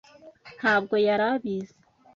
Ntabwo yari abizi.